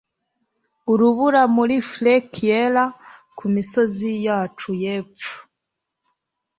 urubura muri flake yera kumisozi yacu yepfo